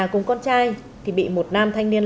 cùng con trai thì bị một nam thanh niên